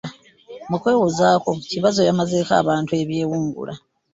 Mu kwewozaako Kibazo yamazeeko abantu ebyewungula.